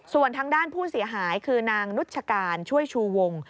ส่วนทางด้านผู้เสียหายคือนางนุชการช่วยชูวง